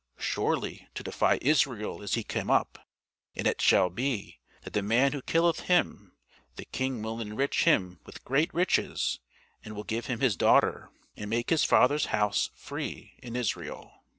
surely to defy Israel is he come up; and it shall be, that the man who killeth him, the King will enrich him with great riches, and will give him his daughter, and make his father's house free in Israel.